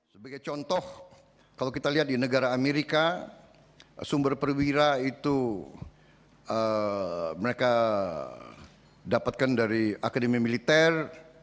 sebagai contoh kalau kita lihat di negara amerika sumber perwira itu mereka dapatkan dari akademi militer